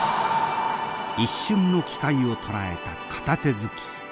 一瞬の機会をとらえた片手突き。